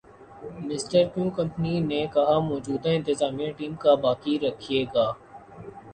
mister Kevin company نے کہا موجودہ انتظامیہ ٹیم کا باقی رکھے گا